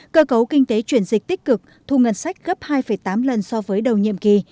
cơ cấu kinh tế chuyển dịch tích cực thu ngân sách gấp hai tám lần so với đầu nhiệm kỳ